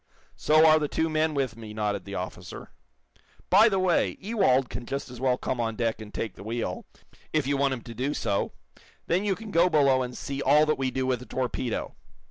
"So are the two men with me," nodded the officer. "By the way, Ewald can just as well come on deck and take the wheel, if you want him to do so. Then you can go below and see all that we do with a torpedo."